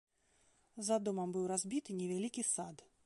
За домам быў разбіты невялікі сад.